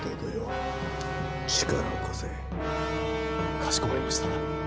かしこまりました。